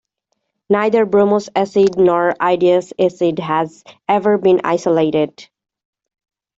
Neither bromous acid nor iodous acid has ever been isolated.